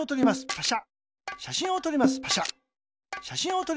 パシャ。